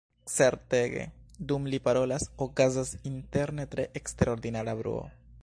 Certege, dum li parolas, okazas interne tre eksterordinara bruo.